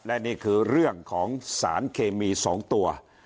และนี่คือเรื่องของสารเคมี๒ตัว